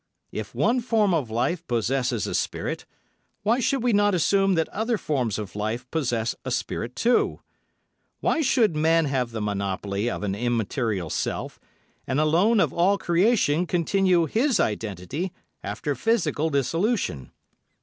If one form of life possesses a spirit, why should we not assume that other forms of life possess a spirit, too? Why should man have the monopoly of an immaterial self, and alone of all creation continue his identity after physical dissolution?